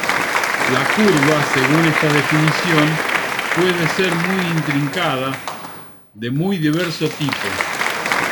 La curva, según esta definición, pueden ser muy intrincadas, de muy diverso tipo.